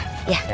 saya cari kalau